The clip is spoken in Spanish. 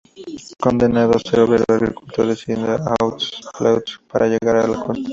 Condenado a ser obrero-agricultor, desciende de Hauts-plateaux para llegar a la costa.